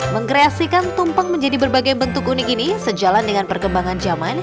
mengkreasikan tumpeng menjadi berbagai bentuk unik ini sejalan dengan perkembangan zaman